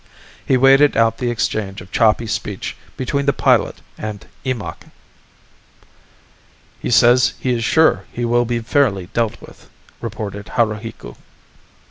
He waited out the exchange of choppy speech between the pilot and Eemakh. "He says he is sure he will be fairly dealt with," reported Haruhiku.